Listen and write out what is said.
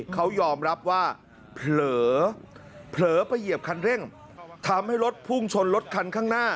เขายอมรับว่าเผลอไปเหยียบคันเร่งทำให้รถพุ่งชนรถคันข้างหน้า